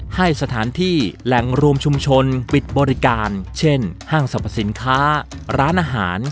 ให้สถานที่แหล่งรวมชุมชนปิดบริการเช่นห้างสรรพสินค้าร้านอาหาร